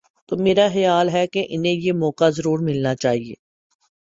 تو میرا خیال ہے کہ انہیں یہ موقع ضرور ملنا چاہیے۔